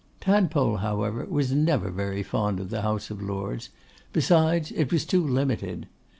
Tadpole, however, was never very fond of the House of Lords; besides, it was too limited.